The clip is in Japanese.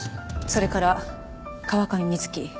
それから川上美月